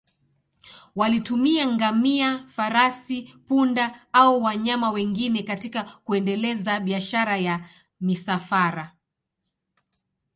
Walitumia ngamia, farasi, punda au wanyama wengine katika kuendeleza biashara ya misafara.